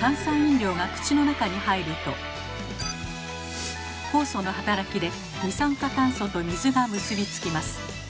炭酸飲料が口の中に入ると酵素の働きで二酸化炭素と水が結び付きます。